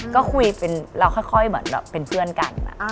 ก็คุยแล้วค่อยเป็นเพื่อนกัน